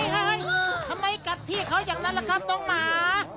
ทำไมกัดพี่เขาอย่างนั้นล่ะครับน้องหมา